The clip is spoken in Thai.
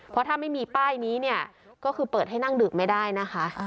เพราะถ้าไม่มีป้ายนี้เนี่ยก็คือเปิดให้นั่งดื่มไม่ได้นะคะ